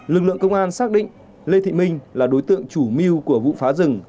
lực lượng công an xác định lê thị minh là đối tượng chủ mưu của vụ phá rừng